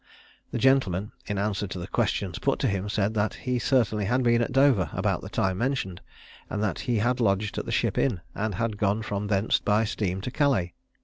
The gentleman, in answer to the questions put to him, said that he certainly had been at Dover about the time mentioned, and that he had lodged at the Ship Inn, and had gone from thence by steam to Calais.